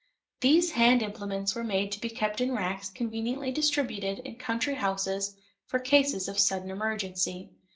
These hand implements were made to be kept in racks conveniently distributed in country houses for cases of sudden emergency.